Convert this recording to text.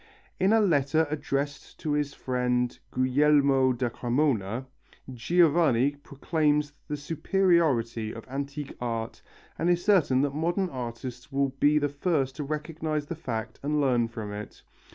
In a letter addressed to his friend Guglielmo da Cremona, Giovanni proclaims the superiority of antique art and is certain that modern artists will be the first to recognize the fact and learn from it.